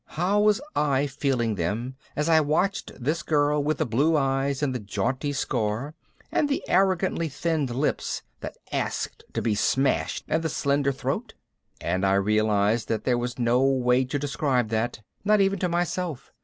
how was I feeling them as I watched this girl with the blue eyes and the jaunty scar and the arrogantly thinned lips that asked to be smashed, and the slender throat? and I realized that there was no way to describe that, not even to myself.